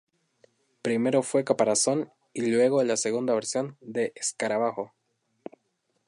Primero fue Caparazón y luego la segunda versión de Escarabajo.